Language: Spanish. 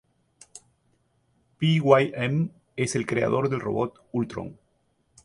Pym es el creador del robot Ultron.